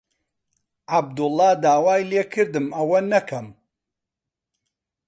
عەبدوڵڵا داوای لێ کردم ئەوە نەکەم.